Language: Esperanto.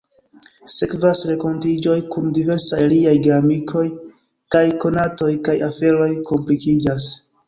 Sekvas renkontiĝoj kun diversaj liaj geamikoj kaj konatoj, kaj aferoj komplikiĝas.